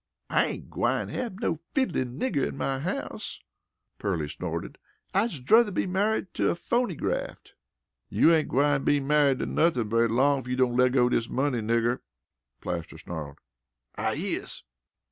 "I ain't gwine hab no fiddlin' nigger in my house," Pearline snorted. "I's druther be married to a phoneygraft." "You ain't gwine be married to nothin' very long ef you don't leggo dis money, nigger!" Plaster snarled. "I is."